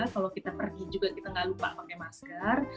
kalau kita pergi juga kita nggak lupa pakai masker